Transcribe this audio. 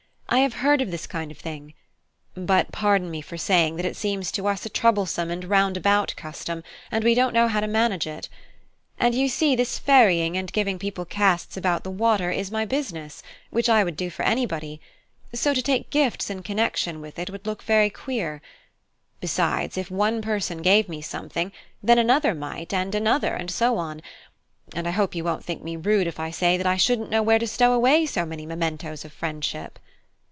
I have heard of this kind of thing; but pardon me for saying, that it seems to us a troublesome and roundabout custom; and we don't know how to manage it. And you see this ferrying and giving people casts about the water is my business, which I would do for anybody; so to take gifts in connection with it would look very queer. Besides, if one person gave me something, then another might, and another, and so on; and I hope you won't think me rude if I say that I shouldn't know where to stow away so many mementos of friendship."